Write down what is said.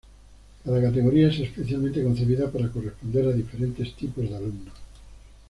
Cada categoría es especialmente concebida para corresponder a diferentes tipos de alumnos.